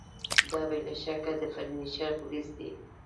دا بې له شکه د فرنیچر پولیس دي